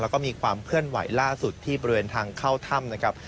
แล้วก็มีความเคลื่อนไหวล่าสุดที่บริเวณทางเข้าถ้ำนะครับ